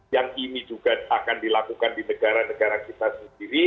yang ini juga akan dilakukan di negara negara kita sendiri